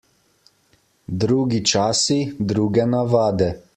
Drugi časi, druge navade.